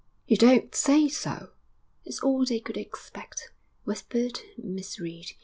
'You don't say so!' 'It's all they could expect,' whispered Miss Reed.